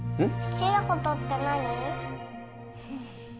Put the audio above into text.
好きなことって何？